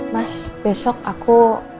mas besok aku